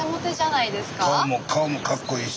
顔もかっこいいし。